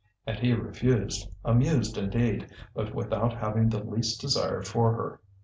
And he refused, amused indeed, but without having the least desire for her.